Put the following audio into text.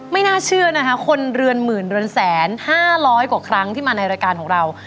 ไม่น่าเชื่อนะคะคนเรือนหมื่นเรือนแสนห้าร้อยกว่าครั้งที่มาในรายการของเรา